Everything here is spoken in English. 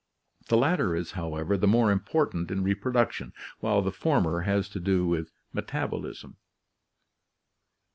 The latter is, however, the more important in reproduction, while the former has to do with metabolism.